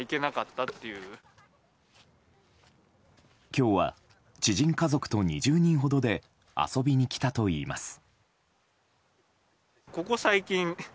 今日は知人家族と２０人ほどで遊びに来たといいます。